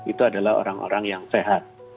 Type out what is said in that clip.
itu adalah orang orang yang sehat